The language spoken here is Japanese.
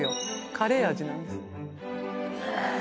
カレー味なんですへえ